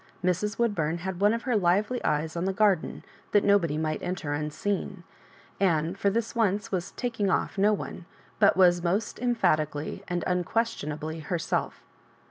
Mrs. Woodbum had one of her lively eyes on tlie garden that nobody might enter unseen, and for this once was " taking off " no one, but was most emphatically and unques tionably herself.